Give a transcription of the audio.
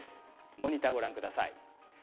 モニターをご覧ください。